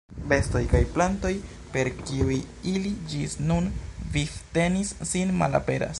Bestoj kaj plantoj, per kiuj ili ĝis nun vivtenis sin, malaperas.